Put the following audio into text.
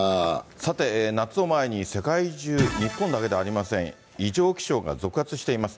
さて、夏を前に世界中、日本だけではありません、異常気象が続発しています。